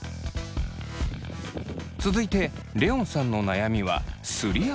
続いてレオンさんの悩みはすり足。